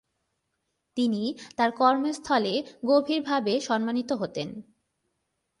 তিনি তার কর্মস্থলে গভীরভাবে সম্মানিত হতেন।